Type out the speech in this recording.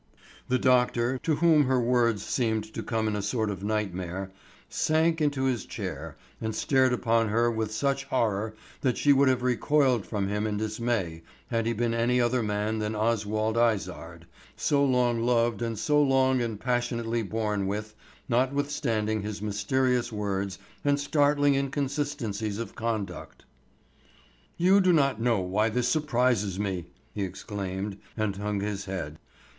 The doctor, to whom her words seemed to come in a sort of nightmare, sank into his chair and stared upon her with such horror that she would have recoiled from him in dismay had he been any other man than Oswald Izard, so long loved and so long and passionately borne with, notwithstanding his mysterious words and startling inconsistencies of conduct. "You do not know why this surprises me," he exclaimed, and hung his head.